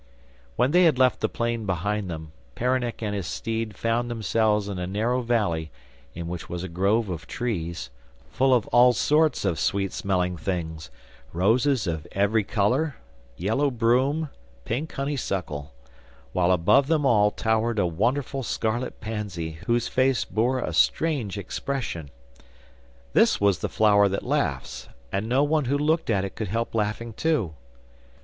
When they had left the plain behind them, Peronnik and his steed found themselves in a narrow valley in which was a grove of trees, full of all sorts of sweet smelling things roses of every colour, yellow broom, pink honeysuckle while above them all towered a wonderful scarlet pansy whose face bore a strange expression. This was the flower that laughs, and no one who looked at it could help laughing too.